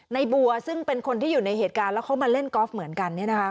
ในบัวซึ่งเป็นคนที่อยู่ในเหตุการณ์แล้วเขามาเล่นกอล์ฟเหมือนกัน